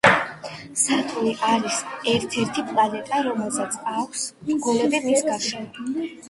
სატურნი არის ერთერთი პლანეტა რომელსაც აქვს რგოლები მის გარშემო